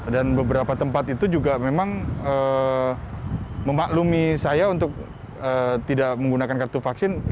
dan beberapa tempat itu juga memang memaklumi saya untuk tidak menggunakan vaksin